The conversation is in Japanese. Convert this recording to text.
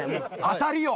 当たりよ。